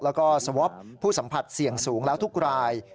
แล้วก็สวอปผู้สัมผัสเสี่ยงสูงแล้วทุกราย